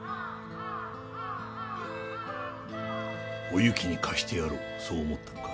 お雪に貸してやろうそう思ったのか？